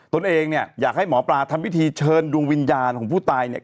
ตัวเองเนี่ยอยากให้หมอปลาทำพิธีเชิญดวงวิญญาณของผู้ตายเนี่ย